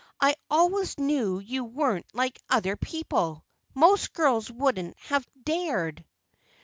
I always knew you weren't like other people; most girls wouldn't have dared."